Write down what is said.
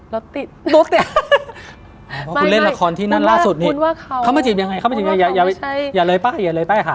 รถติดรถเนี่ยไม่อุ้นว่าเขาเข้ามาจีบยังไงอย่าเลยป๊ะอย่าเลยแป๊ะค่ะ